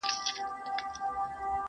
که دي چیري په هنیداري کي سړی و تېرایستلی,